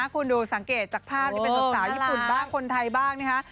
คุณดูสังเกตจากภาพนี้เป็นสาวญี่ปุ่นบ้างคนไทยบ้างนะคะ